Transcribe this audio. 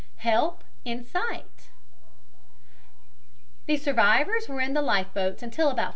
HELP IN SIGHT The survivors were in the life boats until about 5.